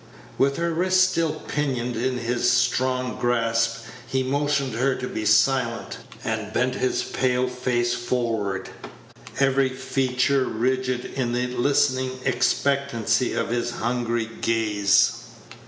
With her wrist still pinioned in his strong grasp, he motioned her to be silent, and bent his pale face forward, every feature rigid in the listening expectancy of his hungry gaze.